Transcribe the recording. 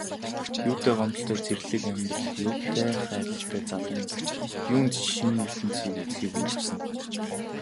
Юутай гомдолтой зэрлэг амьдрал, юутай хайрлалтай залуу нас, юунд шинэ ертөнцийг үзэхийг үл хүснэ.